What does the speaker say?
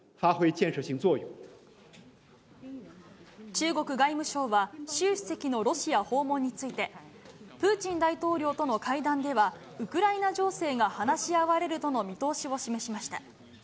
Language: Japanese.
中国外務省は、習主席のロシア訪問について、プーチン大統領との会談では、ウクライナ情勢が話し合われるとの見通しを示しました。